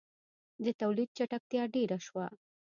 • د تولید چټکتیا ډېره شوه.